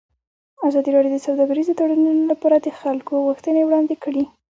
ازادي راډیو د سوداګریز تړونونه لپاره د خلکو غوښتنې وړاندې کړي.